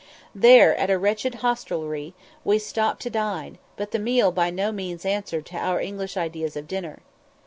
There, at a wretched hostelry, we stopped to dine, but the meal by no means answered to our English ideas of dinner.